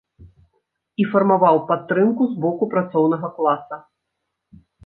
І фармаваў падтрымку з боку працоўнага класа.